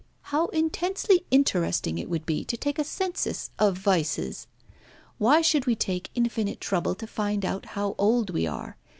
How intensely interesting it would be to take a census of vices. Why should we take infinite trouble to find out how old we are.